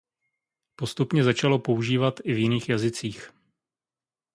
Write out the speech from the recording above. Postupně začalo používat i v jiných jazycích.